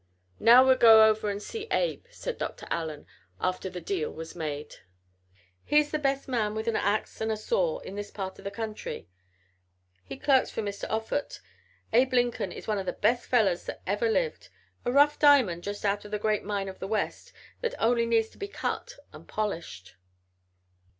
"Now we'll go over and see Abe," said Dr. Allen, after the deal was made. "He's the best man with an ax and a saw in this part of the country. He clerks for Mr. Offut. Abe Lincoln is one of the best fellows that ever lived a rough diamond just out of the great mine of the West, that only needs to be cut and polished."